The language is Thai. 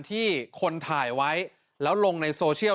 ที่คนถ่ายไว้แล้วลงในโซเชียล